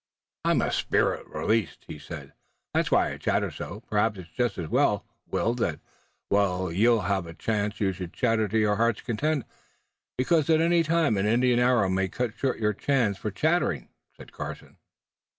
"I'm a spirit released," he said. "That's why I chatter so." "Perhaps it's just as well, Will, that while you have the chance you should chatter to your heart's content, because at any time an Indian arrow may cut short your chance for chattering," said Carson.